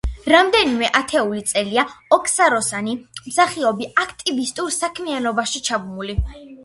რამდენიმე ათეული წელია, ოკსაროსანი მსახიობი აქტივისტურ საქმიანობაშია ჩაბმული.